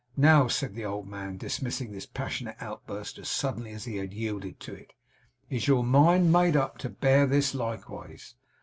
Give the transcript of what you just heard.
Now,' said the old man, dismissing this passionate outburst as suddenly as he had yielded to it, 'is your mind made up to bear this likewise?